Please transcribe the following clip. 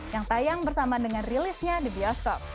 yang tayang bersama dengan rilisnya di bioskop